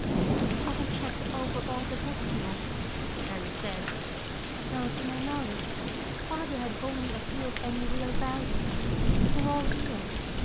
"I haven't checked over all the books yet," Anne said, "though to my knowledge Father had only a few of any real value. They're all here."